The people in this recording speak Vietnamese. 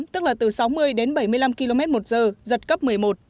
tức là từ sáu mươi đến bảy mươi năm km một giờ giật cấp một mươi một